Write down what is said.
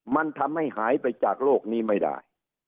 มันทำให้หายไปจากโลกนี้ไม่ได้